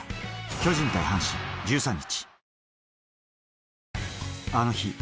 巨人対阪神、１３日。